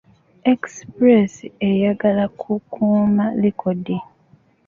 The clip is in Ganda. Express eyagala kukuuma likodi.